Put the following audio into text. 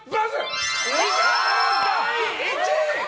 第１位！